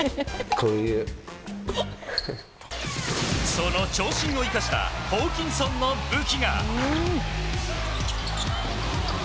その長身を生かしたホーキンソンの武器が。